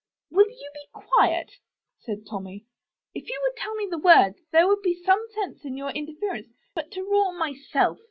Will you be quiet?" said Tommy. *Tf you would tell me the word there would be some sense in your interference; but to roar *Myself